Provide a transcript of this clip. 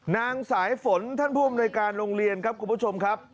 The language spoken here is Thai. นางสายฝนท่านผู้อำนวยการโรงเรียนครับคุณผู้ชมครับ